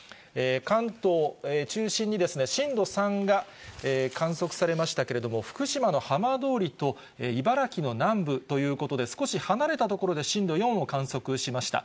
関東中心に、震度３が観測されましたけれども、福島の浜通りと茨城の南部ということで、少し離れた所で震度４を観測しました。